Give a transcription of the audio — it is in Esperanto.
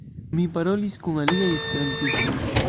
Mi parolis kun aliaj Esperantistoj